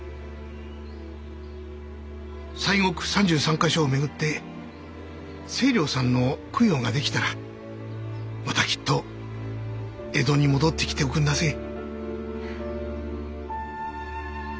西国三十三か所を巡って清瞭さんの供養ができたらまたきっと江戸に戻ってきておくんなせえ。